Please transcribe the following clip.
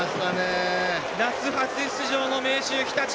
夏、初出場の明秀日立。